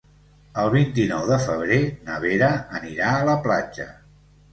El vint-i-nou de febrer na Vera anirà a la platja.